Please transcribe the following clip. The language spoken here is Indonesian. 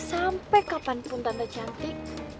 sampai kapanpun tante cantik